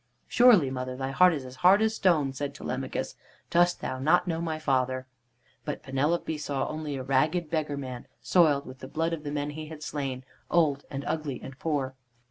"Surely, mother, thy heart is as hard as stone," said Telemachus. "Dost thou not know my father?" But Penelope saw only a ragged beggar man, soiled with the blood of the men he had slain, old and ugly and poor.